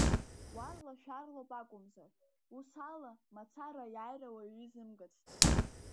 Уарла-шәарлоуп акәымзар, усала мацара аиааира уаҩы изымгацт.